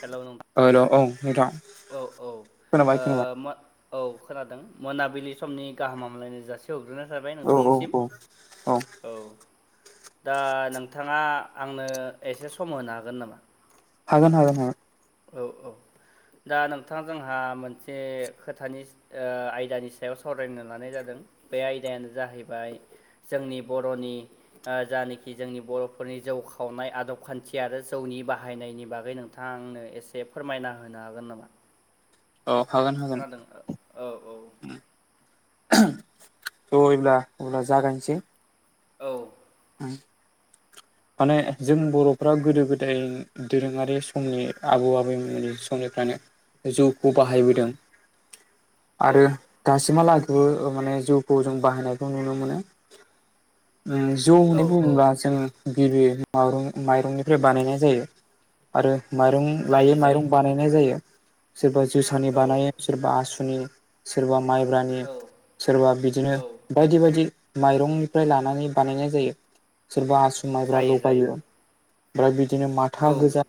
हेल' नों हेल' औ नोंथां औ औ ओ खोनाबाय खोनाबाय मो औ खोनादों मोनाबिलि समनि गाहाम हामलायनाय जासि हग्रोना- थाबाय औ औ नोंथांनिसिम औ औ। दा नोंथाङा आंनो एसे सम होनो हागोन नामा? हागोन हागोन हागोन। औ औ दा नोंथां जोंहा मोनसे खोथानि ओ आयदानि सायाव सावरायनो लानाय जादों बे आयदायानो जाहैबाय जोंनि बर'नि ओ जानाखि जोंनि बर'फोरनि जौ खावनाय आदब खान्थि आरो जौनि बाहायनायनि बाग गै नोंथां आंनो एसे फोरमायना होनो हागोन नामा? औ हागोन हागोन। खोनादों औ औ थ' हयब्ला अब्ला जागायसै औ। उम। माने जों बर'फ्रा गोदो गोदाय दोरोङारि समनि आबौ आबैमोननि समनिफ्रायनो जौखौ उम बाहायबोदों आरो औ दासिमहालागैबो ओ- माने जिउखौ जों बाहायनायखौ नुनो मोनो उम जौ औ होननानै औ बुङोब्ला जोङो गिबि मरं माइरंनिफ्राय बानायनाय जायो आरो माइरं लायोै जायो जायो माइरं बानाय- नाय जायो सोरबा जोसानि औ बानायो सोरबा आसुनि सोरबा माइब्रानि औ सोरबा औ बिदिनो बायदि बायदि माइरंनिफ्राय लानानै बानायनाय जायो सोरबा आसु माइब्रा जायो जायो लगायो ओमफ्राय बिदिनो औ माथा गोजा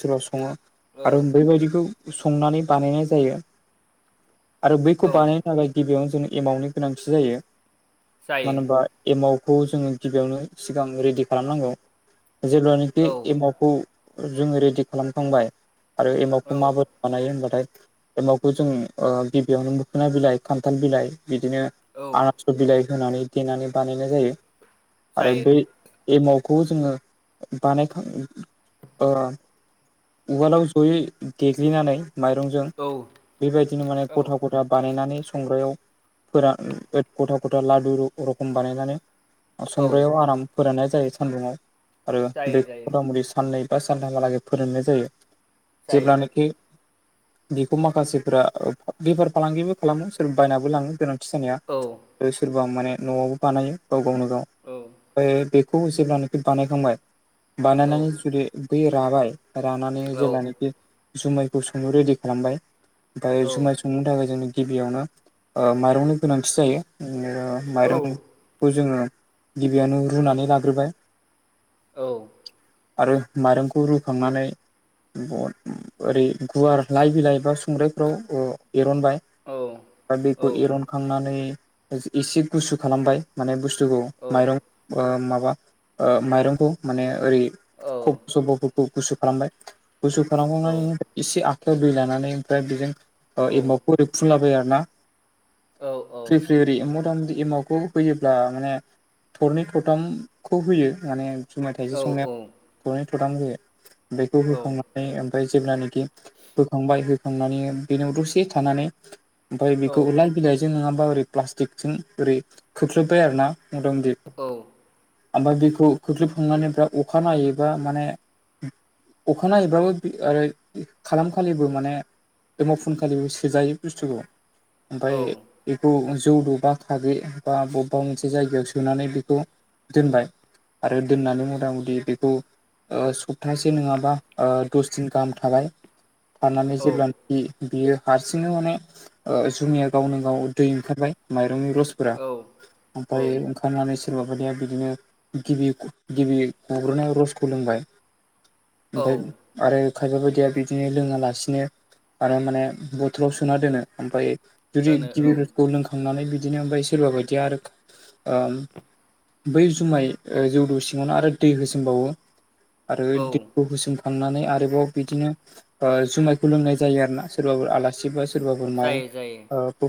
सोरबा सङो‌ औ आरो बेैबायदिखौ संनानै बानायनाय जायो आरो औ बैखौ बानाय थाखाय गिबियावनो जों एमावनि गोनांथि जायो मानो जायो होमबा एमावखौ जों- गिबियावनो सिगां रेडि खालामनांगौ जेब्लानाखि औ एमावखौ जोङो रेडि खालामखांबाय आरो औ एमावखौ माबो- बानायो होमबाथाय एमावखौ जों ओ गिबियावनो मोखोना बिलाइ खान्थाल बिलाइ बिदिनो- आनारस बिलाइ होनानै देनानै बानायनाय जायो। आरो जायो बै एमावखौ जोङो बानायखां ओ उवालाव जयै देग्लिनानै माइरंजों औ बेबायदिनो माने औ ग'था ग'- बानायनानै संग्रायाव फोरान ग'था ग'था लादु रखम बानायनानै औ संग्रायाव आराम फोराननाय जायो सान्दुुङाव आरो जायो बे जायो मथा मथि साननै बा सानथाम हालागै फोराननाय जायो जायो औ औ जेब्लानाखि बेखौ माखासेफोरा बेफार फालांगिबो खालामो सोरबा बायनाबो लाङो गोनांथि औ जानाया औ आरो सोरबा माने न'आवबो बानायो गाव गावनो गाव औ। ओमफ्राय बेखौ जेब्लानाखि बानायखांबाय बानायनानै जुदि बै राबाय औ रानानै जेब्लानाखि जुमायखौ संनो रेडि खालामबाय ओमफ्राय जुमाय- संनो थाखाय जोंनो गिबियावनो ओ माइरंनि गोनांथि जायो ओम ओ माइरं खौ जोङो गिबियावनो रुनानै लाग्रोबाय औ आरो मायरंखौ रुखांनानै बन ओरै गुवार लाइ बिलाइ बा संग्रायफ्राव ओ एरनबाय दा बेखौ औ एरनखांनानै एसे गुसु खालामबाय माने बुस्थुखौ माइरं ओ माबा ओ माइरंखौ माने ओरै ख'फ' स'फ' फोरखौ गुसु खालामबाय गुसु खालामनानै एसे आखायाव दै लानानै ओमफ्राय बेजों ओ एमाव हरै फुनलाबाय आरो ना फ्रि फ्रि ओरै सम एमावखौ होयोब्ला माने थरनै थरथामखौ होयो माने जुमाय थाइसे संनायाव थरनै थरथाम होयो बेखौ होखांनानै ओमफ्राय जेब्लानाखि होखांबाय खांनानै बेनाव दसे थानानै ओमफ्राय औ बेखौ लाय बिलाइ जों नङाब्ला ओरै प्लाटिक जों ओरै खोख्लोबबाय आरो ना मथा मथि औ ओमफ्राय बेखौ खोख्लोबखांनानै बिराद अखानायैबा माने अखानायैब्लाबो खालाम खालिबो माने एमाव फुनखालिबो सोजायो बुस्थुखौ औ ओमफ्राय बेखौ जौदो बा खाग्रि बा बबेबा मोनसे जायगायाव सोनानै बेखौ दोनबाय आरो दोननानै मथा मथि बेखौ ओ सप्तासे नङाबा दस दिन गाहाम थाबाय थानानै औ जेब्ला बियो हारसिंनो माने जुमाया गावनो गाव दै ओंखारबाय माइरंनि रस फोरा औ औ ओमफ्राय [unintelligible] सोरबा बायदिया बिदिनो गिबि गिबियै ग'ग्रोनाय रसखौ लोंबाय ओमफ्राय औ आरो खायफा बायदिया बिदिनो लोङालासिनो आरो माने बथलाव सोना दोनो ओमफ्राय जुदि दोनो औ गिबिफोरखौ लोंखांनानै बिदिनो ओमफ्राय सोरबा बादिया आरो ओ बै जुमाय जौदो सिङावनो आरो दै होसोमबावो आरो औ खौ होसोमखांनानै आरोबाव बिदिनो ओ जुमायखौ लोंनाय जायो आरोना सोरबाफोर आलासि बा सोरबा जायो जायो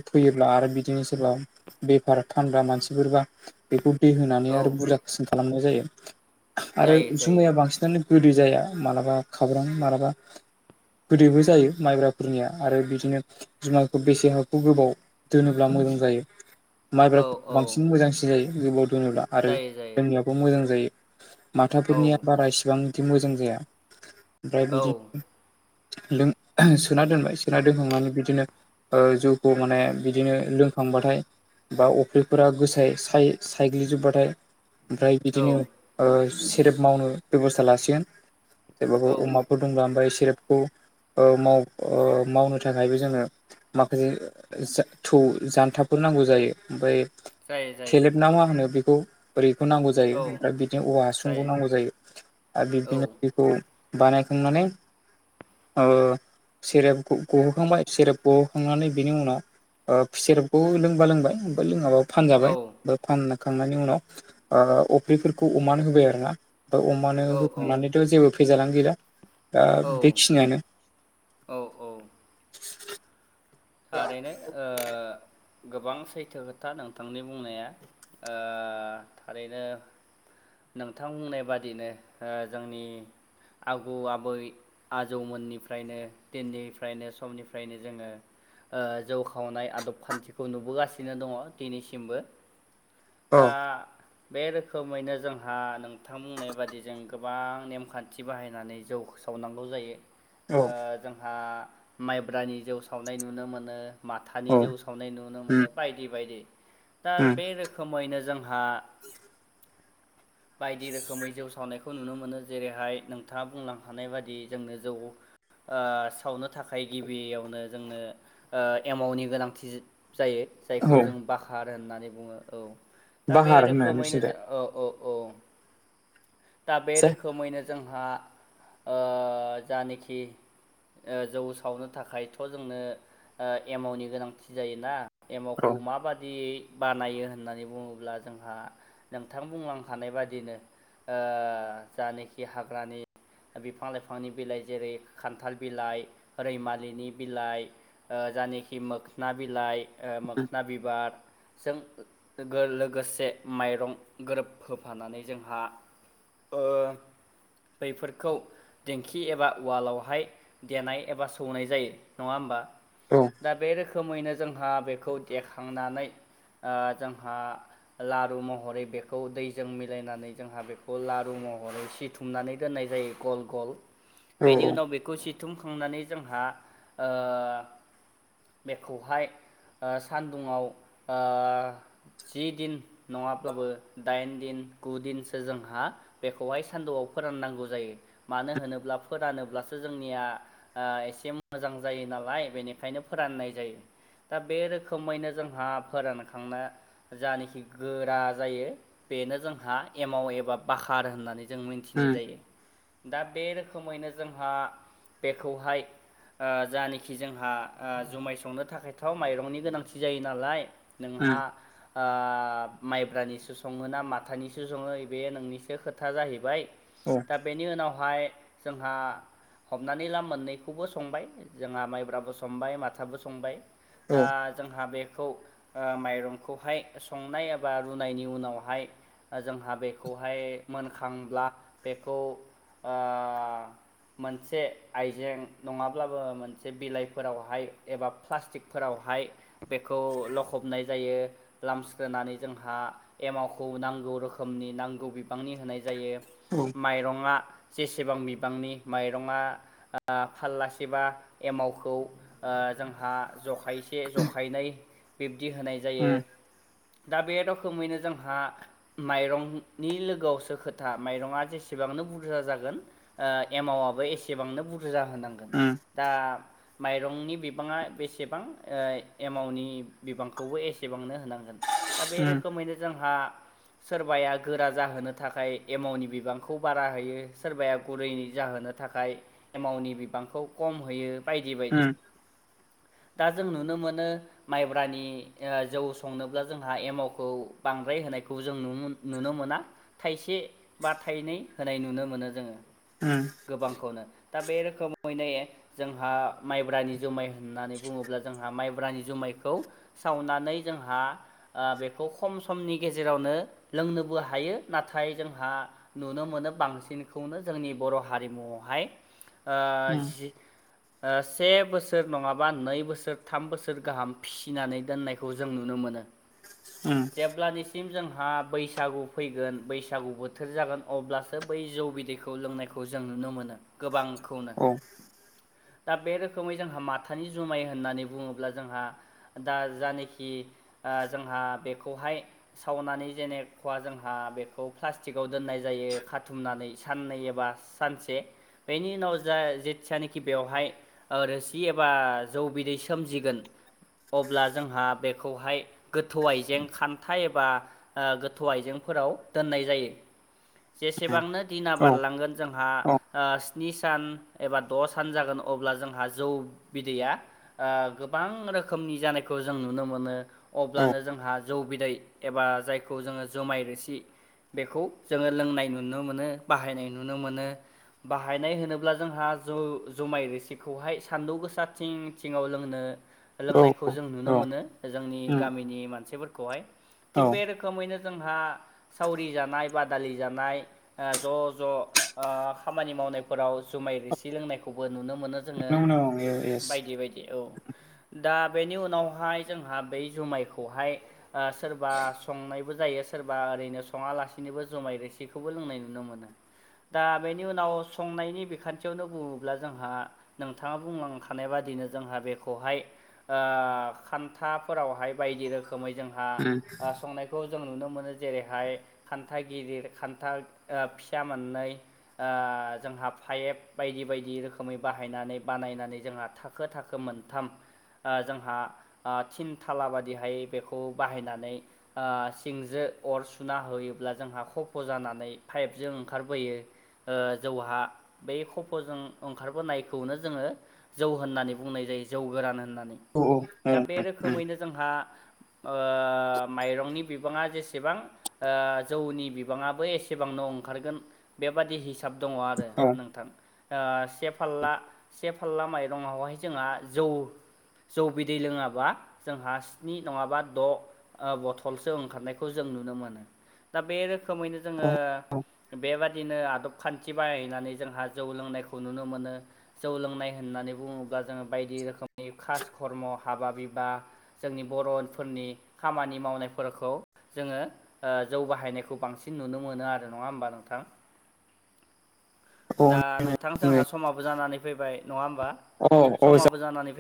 फैयोब्ला आरो बिदिनो सोरबा बेफार फानग्रा मानसिफोरबा बेखौ दै औ होनानै आरो बुरजासिन खालामनाय जायो आरो जायो जायो जुमाया बांसिनानो गोदै जाया मालाबा खाब्रां मालाबा गोदैबो जायो माइब्राफोरनिया आरो बिदिनो जुमायखौ बेसे हखौ गोबाव दोनोब्ला मोजां जायो औ औ माइब्राफोरा बांसिन मोजांसिन जायो गोबाव दोनोब्ला आरो जायो जायो लोंनायाबो मोजां जायो औ माथाफोरनिया बारा इसिबां बिदि मोजां जाया ओमफ्राय औ बिदिनो लों सोना दोनबाय सोना दोनहांनानै बिदिनो ओ जौखौ माने बिदिनो लोंखांबाथाय बा अफ्रिफोरा गोसाय साय सायग्लिजोब्बाथाय ओमफ्राय औ बिदिनो ओ सेरेप मावनो बेबस्था लासिगोन जेबाबो औ अमाफोर दंब्ला ओमफ्राय सेरेपखौ ओ माव मावनो थाखायबो जोङो माखासे थौ जान्थाफोर नांगौ जायो ओमफ्राय जायो जायो थेलेबना मा होनो बेखौ ओरैखौ नांगौ जायो औ ओमफ्राय बिदिनो औवा हासुंखौ नांगौ जायो आरो औ बिबदिनो बेखौ बानायखांनानै ओ सेरेब गहोखांबाय सेरेब गहोखांनानै बिनि उनाव ओ सेरबखौ लोंबा लोंबाय ओमफ्राय लोङाबा औ फानजाबाय बा फानखांनायनि उनाव ओ अफ्रिफोरखौ अमान होबाय आरोना ओ औ अमानो औ होखांनानैथ जेबो भेजालानो गैला ओ‌ बेखिनियानो औ औ थारैनो ओ गोबां सैथो खोथा नोंथांनि बुंनाया ओ थारैनो नोंथां बुंनाय बादिनो ओ जोंनि आबौ आबै आजौ मोननिफ्रायनो दिननिफ्रायनो समनिफ्रायनो जोङो ओ जौ खावनाय आदब खान्थिखौ नुनो गासिनो दङ दिनैसिमबो औ दा बे रोखोमैनो जोंहा नोंथां बुंनाय बादि जों गोबां नेमखान्थि बाहायनानै जौ सावनांगौ जायो ओ औ जोंहा माइब्रानि जौ सावनाय नुनो मोनो माथानि औ जौ सावनाय नुनो मोनो उम बायदि बायदि दा उम बे रो खोमैनो जोंहा बायदि रोखोमै जौ सावनायखौ नुनो मोनो जेरैहाय नोंथाङा बुंलां हानाय बाददि जोंनो जौ ओ सावनो थाखाय गिबियावनो जोंनो ओ एमावनि गोनांथि जायो जायखौ औ जों बखार होननानै बुङो औ दा बे बाहार होनो रोखोमैनो नोंसिनिजा जों औ औ औ दा जे रोखोमैनो जोंहा ओ जानखि ओ जौ सावनो थाखायथ जोंनो ओ एमावनि गोनांथि जायोना औ एमावखौ माबायदियै बानायो होननानै बुङोब्ला जोंहा नोंथां बुंलांखानाय बादिनो ओ जानोखि हाग्रानि बिफां लाइफांनि बिलाइ जेरै खान्थाल बिलाइ रैमालिनि बिलाइ जानोखि मोखोना बिलाइ उम मोखोना बिबार जों गो लोगोसे माइरं गोरोब होफानानै जोंहा ओ बैफोरखौ दिंखि एबा उवालावहाय देनाय एबा सौनाय जायो नङा होमबा औ दा बे रोखोमैनो जोंहा बेखौ देखांनानै ओ जोंहा लारु महरै बेखौ दैजों मिलायनानै जोंहा बेखौ लारुमहरै सिथु हुमनानै दोननाय जायो गल गल। औ बेनि उनाव बेखौ सिथुमखांनानै जोंहा ओ। बेखौहाय सान्दुङाव ओ। जि दिन नङाब्लाबो दाइन दिन गुदिनसो जोंहा। बेखौहाय सान्दौआव फोराननांगौ जायो मानो होनोब्ला फोरानोब्लासो जोंनिया। ओ एसे मोजां जायो नालाय बेनिखायनो फोराननाय जायो। दा बे रोखोमैनो जोंहा फोरानखांनो। जानखि गोरा जायो बेनो जोंहा एमाव एबा बाखार होननानै। जों मिथिनाय उम जायो। दा बे रोखोमैनो जोंहा बेखौहाय ओ जानखि जोंहा। ओ जुमाय संनो थाखायथ' माइरंनि गोनांथि जायो नालाय उम नोंहा। ओ माइब्रानिसो सङो ना माथानिसो सङो बे नोंनिसो खोथा जाहैबाय। औ दा बेनि उनावहाय जोंहा हमनानै ला मोननैखौबो संबाय जोंहा माइब्राबो संबाय। संबाय माथाबो संबाय दा। जोंहा बेखौ ओ माइरंखौहाय संनाय एबा रुनायनि उनावहाय। जोंहा बेखौहाय मोनखांब्ला बेखौ ओ। मोनसे आइजें नङाब्लाबो मोनसे बिलाइ। फोरावहाय एबा प्लास्टिकफोरावहाय बेखौ लखबनाय जायो। लामस्रोनानै जोंहा। एमावखौ नांगौ रोखोमनि नांगौ बिबांनि होनाय जायो। औ। माइरङा जेसेबां बिबांनि माइरङा। ओ फाललासेबा एमावखौ। ओ जोंहा जखायसे जखायनै बिब्दि होनाय जायो। उम उम दा बे रोखोमैनो जोंहा। माइरंनि लोगोआवसो खोथा माइरङा जेसेबांनो बुरजा जागोन। ओ एमावआबो एसेबांनो बुरजा होनांगोन उम दा। माइरंनि बिबाङा बेसेबां ओ एमावनि बिबांखौबो एसेबांनो होनांगोन। दा बे उम रोखोमैनो जोंहा। सोरबाया गोरा जाहोनो थाखाय एमावनि बिबांखौ बारा होयो सोरबाया गुरै जाहोनो थाखाय एमावनि बिबांखौ खम होयो बायदि बायदि। उम दा जों नुनो मोनो। माइब्रानि ओ जौ संनोब्ला जोंहा एमावखौ बांद्राय होनायखौ जों नुनो मोना। थाइसे बा थाइनै होनाय नुनो मोनो जोङो। उम। गोबांखौनो दा बे रोखोमै नायो जोंहा। माइब्रानि जुमाय होननानै बुङोब्ला जोंहा माइब्रानि जुमायखौ सावनानै जोंहा। ओ बेखौ खम समनि गेजेरावनो लोंनोबो हायो नाथाय जोंहा। नुनो मोनो बांसिनखौनो जोंनि बर' हारिमुआवहाय ओ उम जि ओ से बोसोर नङाबा नै बोसोर थाम बोसोर गाहाम फिसिनानै दोननायखौ जों नुनो मोनो। [unintelligible] उम। जेब्लानिसिम जोंहा बैसागु फैगोन बैसागु बोथोर जागोन अब्ला। बै जौ बिदैखौ लोंनायखौ जों नुनो मोनो गोबांखौ। औ उम औ। दा बेरोखोमै जोंहा माथानि जुमाय होन्नानै बुङोब्ला जोंहा। दा जानोखि ओ जोंहा बेखौहाय। सावनानै जेनेखवा जोंहा बेखौ प्लास्टिकआव दोन्नाय जायो खाथुमनानै साननै एबा सानसे बेनि उनाव जा जेथियानो खि बेवहाय ओ रोसि एबा जौ बिदै सोमजिगोन अब्ला जोंहा बेखौहाय गोथौ आइजें खान्था एबा ओ गोथौ आइजेंफोराव दोननाय जायो। जेसेबांनो दिना औ बारलांगोन जोंहा औ ओ स्नि सान एबा द' सान जागोन अब्ला जोंहा जौ बिदैया ओ गोबां रोखोमनि जानायखौ जों नुनो मोनो औ अब्लानो जोंहा जौ बिदै एबा जायखौ जोङो जोमाय रोसि बेखौ जोङो लोंनाय नुनो मोनो बाहायनाय नुनो मोनो। बाहायनाय होनोब्ला जोंहा जौ जुमाय रिसिखौहाय सान्दुं गोसा थिं थिंआव लोंनो औ लोंनायखौ जों नुनो औ मोनो जोंनि उम गामिनि मानसिफोरखौहाय औ थिग बे रोखोम रोखोमैनो जोंहा सावरि जानाय बादालि जानाय आ ज' ज' आ खामानि मावनायफोराव जुमाय रोसि लोंनायखौबो नुनो मोनो। जोङो नोंगौ नोंगौ ए एस बायदि बायदि औ दा बेनि उनावहाय जोंहा बै जुमायखौहाय आ सोरबा संनायबो जायो सोरबा ओरैनो सङालासिनोबो जुमाय रोसिखौबो लोंनाय नुनो मोनो। दा बेनि उनाव संनायनि बिखान्थि बुङोब्ला जोंहा नोंथाङा बुंलांखानाय बादिनो जोंहा बेखौहाय आ खान्थाफोरावहाय बायदि रोखोमै जोंहा उम आ संनाय खौ जों नुनो मोनो जेरैहाय खान्था‌ गिदिर खान्था ओ फिसा मोननै ओ जोंहा फाइफ बायदि बायदि रोखोमै बाहायनानै बानायनानै जोंहा थाखो थाखो मोनथाम आ जोंहा आ थिन थाला बादिहाय बेखौ बाहायनानै आ सिंजों अर सुना होयोब्ला जोंहा खफ' जानानै पाइपजों ओंखारबोयो। ओ जौहा बै खफ खफ' जों ओंखारबोनायखौनो जोङो जौ होननानै बुंनाय जायो जौ गोरान होननानै। औ औ दा उम बे रोखोमैनो जोंहा ओ माइरंनि बिबाङा जेसेबां ओ जौनि बिबाङाबो एसेबांनो अंखारगोन बेबादि हिसा साब दङ आरो औ नोंथां ओ से फाल्ला से फाल्ला माइरंआवहाय जोंहा जौ जौ बिदै लोङाबा जोंहा स्नि नङाबा द' ओ बथलसो ओंखारनायखौ जों नुनो मोनो। दा बे रोखोमैनो औ जोङो औ बेबादिनो आदब खान्थि बाहायनानै जोंहा जौ लोंनायखो खौ‌ नुनो मोनो। जौ लोंनाय होननानै बुङोब्ला जोङो बायदि रोखोमनि खास खर्म' हाबा बिबा जोंनि बर'फोरनि खामानि मावनायफोरखौ जोङो ओ जौ बाहायनायखौ बांसिन नुनो मोनो आरो नङा होमबा नोंथां। दा नोंथां जोंहा समाबो जानानै फैबाय नङा होमबा औ औ औ समाबो जानानैै